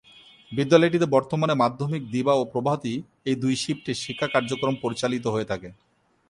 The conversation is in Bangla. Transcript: বিদ্যালয়টিতে বর্তমানে মাধ্যমিক দিবা ও প্রভাতী -এই দুই শিফটে শিক্ষা কার্যক্রম পরিচালিত হয়ে থাকে।